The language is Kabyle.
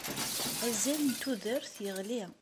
Azal n tudert yeɣli.